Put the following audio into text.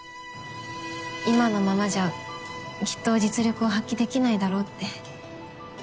今のままじゃきっと実力を発揮できないだろうって。